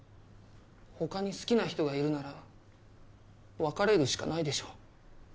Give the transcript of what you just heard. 他に好きな人がいるなら別れるしかないでしょ。